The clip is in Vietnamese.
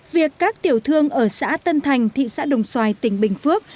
việc các tiểu thương ở xã tân thành thị xã đồng xoài tỉnh bình phước